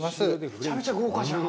めちゃめちゃ豪華じゃん！